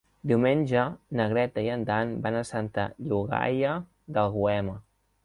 Diumenge na Greta i en Dan van a Santa Llogaia d'Àlguema.